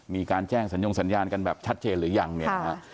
มีการแจ้งสัญญงสัญญาณกันแบบชัดเจนหรือยังเนี่ยนะฮะ